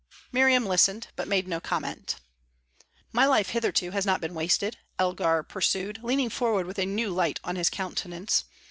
Miriam listened, but made no comment. "My life hitherto has not been wasted," Elgar pursued, leaning forward with a new light on his countenance.